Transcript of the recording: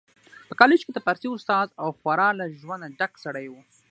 په کالج کي د فارسي استاد او خورا له ژونده ډک سړی و